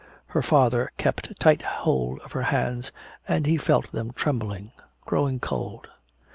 Her father kept tight hold of her hands, and he felt them trembling, growing cold.